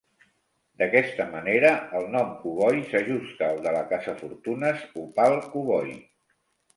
D'aquesta manera, el nom Koboi s'ajusta al de la caçafortunes Opal Koboi.